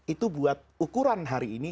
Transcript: itu buat ukuran hari ini